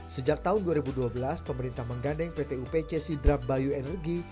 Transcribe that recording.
sejak tahun dua ribu dua belas pemerintah menggandeng pt upc sidrap bayu energi